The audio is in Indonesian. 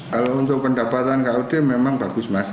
kalau untuk pendapatan kud memang bagus mas